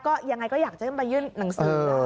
ก็ยังไงก็อยากจะไปยื่นหนังสือนะ